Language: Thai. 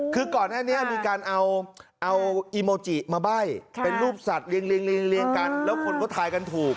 คือก่อนหน้านี้มีการเอาอีโมจิมาใบ้เป็นรูปสัตว์เรียงกันแล้วคนก็ทายกันถูก